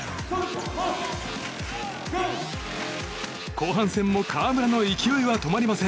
後半戦も河村の勢いは止まりません。